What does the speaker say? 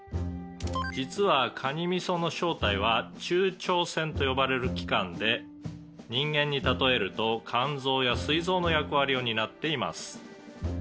「実はカニミソの正体は中腸腺と呼ばれる器官で人間に例えると肝臓や膵臓の役割を担っています」